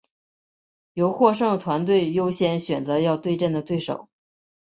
由获胜团队优先选择要对阵的对手。